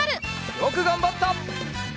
よくがんばった！